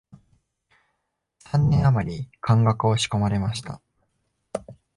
三年あまり漢学を仕込まれました